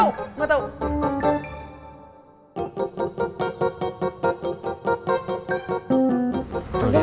gak tau gak tau